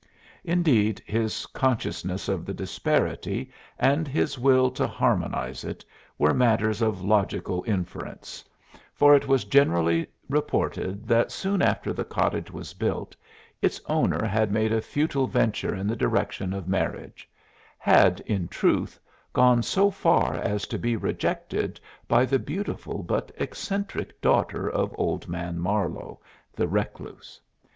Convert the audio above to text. Indeed, his consciousness of the disparity and his will to harmonize it were matters of logical inference, for it was generally reported that soon after the cottage was built its owner had made a futile venture in the direction of marriage had, in truth, gone so far as to be rejected by the beautiful but eccentric daughter of Old Man Marlowe, the recluse.